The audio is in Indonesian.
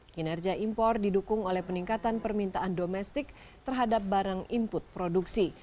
kinerja impor didukung oleh peningkatan permintaan domestik terhadap barang input produksi